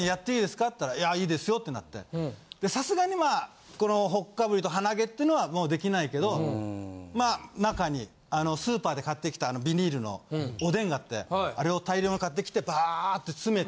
って言ったらいいですよってなってさすがにまあこのほっかぶりと鼻毛っていうのはもう出来ないけどまあ中にスーパーで買ってきたビニールのおでんがあってあれを大量に買ってきてバーッて詰めて。